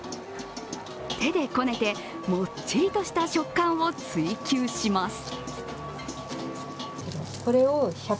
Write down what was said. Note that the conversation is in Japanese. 手でこねて、もっちりとした食感を追求します。